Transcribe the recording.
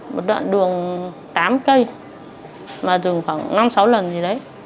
một đoạn đường tám cây mà đường khoảng năm sáu lần gì đấy